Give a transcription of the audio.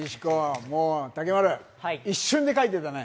武丸、一瞬で書いていたね。